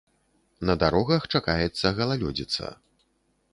На дарогах чакаецца галалёдзіца.